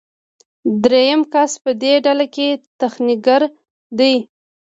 دریم کس په دې ډله کې تخنیکګر دی.